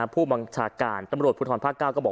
พระเจ้าอาวาสกันหน่อยนะครับ